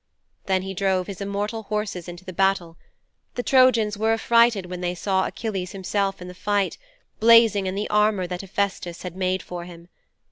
"' 'Then he drove his immortal horses into the battle. The Trojans were affrighted when they saw Achilles himself in the fight, blazing in the armour that Hephaistos had made for him.